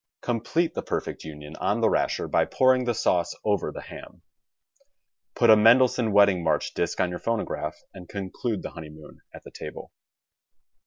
Complete the perfect union on the rasher by pouring the sauce over the ham. Put a Mendelssohn Wedding March disc on your phonograph and conclude the honeymoon at the table.